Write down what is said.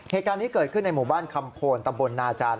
เหตุการณ์นี้เกิดขึ้นในหมู่บ้านคำโพนตำบลนาจารย